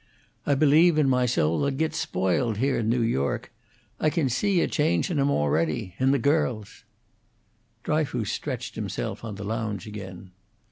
I believe in my soul they'll git spoiled here in New York. I kin see a change in 'em a'ready in the girls." Dryfoos stretched himself on the lounge again.